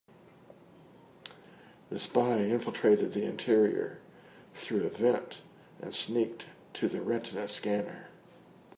The spy infiltrated the interior through a vent and sneaked to the retina scanner.